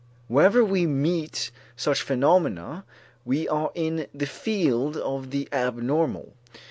Wherever we meet such phenomena, we are in the field of the abnormal.